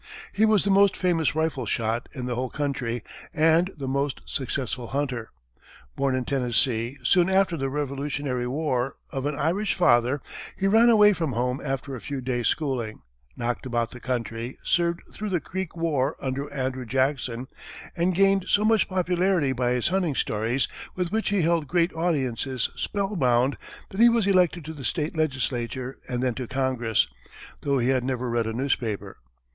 He was the most famous rifle shot in the whole country and the most successful hunter. Born in Tennessee soon after the Revolutionary war, of an Irish father, he ran away from home after a few days' schooling, knocked about the country, served through the Creek war under Andrew Jackson, and gained so much popularity by his hunting stories, with which he held great audiences spellbound, that he was elected to the State legislature and then to Congress, though he had never read a newspaper.